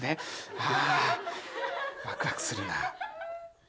ああワクワクするな。